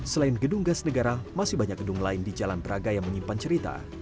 selain gedung gas negara masih banyak gedung lain di jalan braga yang menyimpan cerita